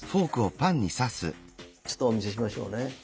ちょっとお見せしましょうね。